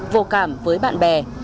vô cảm với bạn bè